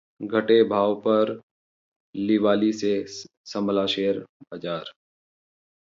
घटे भाव पर लिवाली से संभला शेयर बाजार